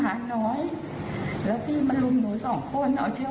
ป่าหนูเดินเข้าไปนั่งเก้าอี้ค่ะ